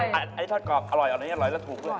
อร่อยไอ้ชอบกรอบอร่อยอันนี้อร่อยแล้วถูกกว่า